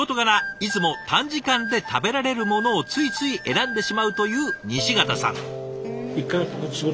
いつも短時間で食べられるものをついつい選んでしまうという西潟さん。